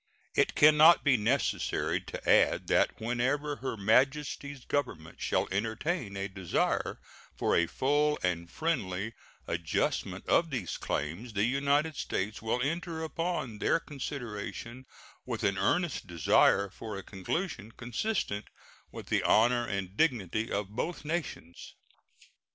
It can not be necessary to add that whenever Her Majesty's Government shall entertain a desire for a full and friendly adjustment of these claims the United States will enter upon their consideration with an earnest desire for a conclusion consistent with the honor and dignity of both nations.